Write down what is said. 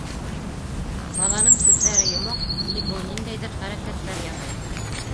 Баланың күҙҙәре йомоҡ, тик ул ниндәйҙер хәрәкәттәр яһай.